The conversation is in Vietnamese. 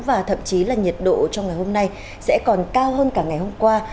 và thậm chí là nhiệt độ trong ngày hôm nay sẽ còn cao hơn cả ngày hôm qua